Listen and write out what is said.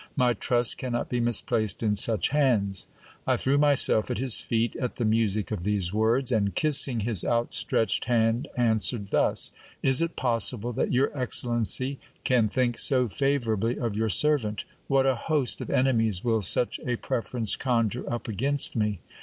My trust cannot be misplaced in such hands. I threw myself at his feet, at the music of these words ; and kissing his outstretched hand, answered thus : Is it possible that your excellency can think so favourably of your servant ? What a host of enemies will such a pre ference conjure up against me